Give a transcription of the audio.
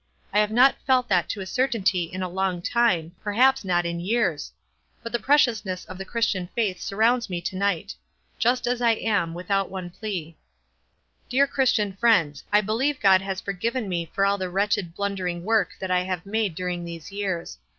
I have not felt that to a certainty in a long time, perhaps not in years ; but the pre ciousness of the Christian faith surrounds mo to night. 'Just as I am, without one plea.' WISE AXD OTHERWISE. 381 Dear Christian friends, I believe God has for given me for all the wretched blundering work that I have made during these years.